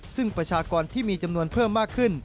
ซึ่งประชากรที่มีจำนวนเพิ่มมากขึ้น